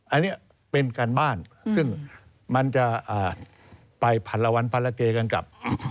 อันนี้เป็นการบ้านซึ่งมันจะไปพันละวันพันละเกกันกับ